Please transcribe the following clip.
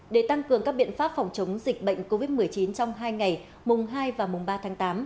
để tăng cường các biện pháp phòng chống dịch bệnh covid một mươi chín trong hai ngày mùng hai và mùng ba tháng tám